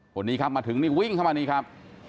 คนนี้ครับมาถึงนี่วิ่งเข้ามานี่ครับ